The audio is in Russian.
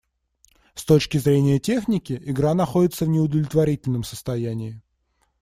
С точки зрения техники, игра находится в неудовлетворительном состоянии.